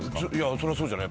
そりゃそうじゃない？